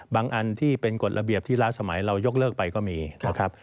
อันที่เป็นกฎระเบียบที่ล้าสมัยเรายกเลิกไปก็มีนะครับ